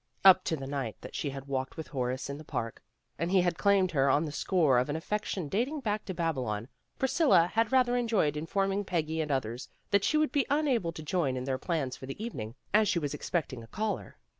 Up to the night that she had walked with Horace in the park, and he had claimed her on the score of an affection dating back to Babylon, Priscilla had rather enjoyed informing Peggy and others that she would be unable to join in their plans for the evening, as she was expecting a caller.